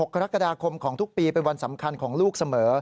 กรกฎาคมของทุกปีเป็นวันสำคัญของลูกเสมอ